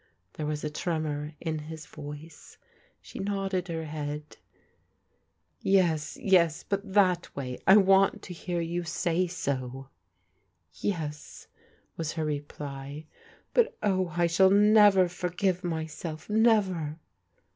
^ There was a trenwr in his ^ oice* She nodded her head "" Yes, yes, but thot way! I want to hear you say stk" Yes was her repty. ^ But oh, I diall nercr toignt a^ysdf, ©ever.